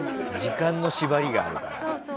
時間の縛りがあるから。